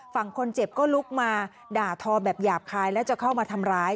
ฝั่งคนเจ็บก็ลุกมาด่าทอแบบหยาบคายแล้วจะเข้ามาทำร้าย